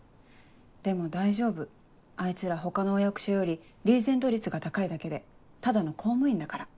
でも大丈夫あいつら他のお役所よりリーゼント率が高いだけでただの公務員だから。